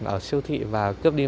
ở siêu thị và cướp đi